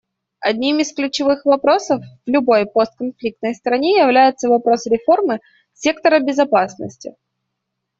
Одним из ключевых вопросов в любой постконфликтной стране является вопрос реформы сектора безопасности.